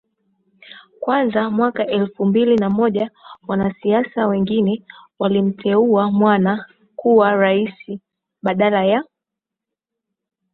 kwanza mwaka elfu mbili na moja Wanasiasa wengine walimteua mwana kuwa rais badala ya